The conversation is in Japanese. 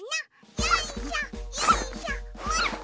よいしょよいしょと。